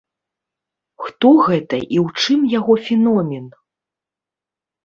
Хто гэта і ў чым яго феномен?